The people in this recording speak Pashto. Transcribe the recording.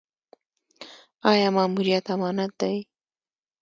آیا ماموریت امانت دی؟